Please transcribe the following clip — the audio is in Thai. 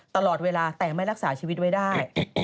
ตลอดเวลาแต่ไม่รักษาชีวิตไว้ได้